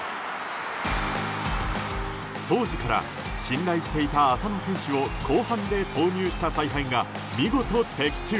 当時から信頼していた浅野選手を後半で投入した采配が見事、的中！